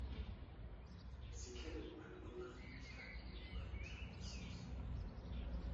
Sie kennen meine Unnachgiebigkeit gegenüber dem Terrorismus.